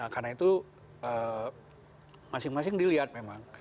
karena itu masing masing dilihat memang